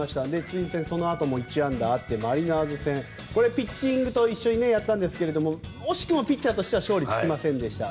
ツインズ戦、そのあとも１安打でマリナーズ戦はピッチングと一緒にやったんですが惜しくもピッチャーとして勝利はつきませんでした。